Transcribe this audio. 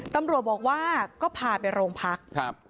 ก็บอกว่าก็พาไปโรงพัก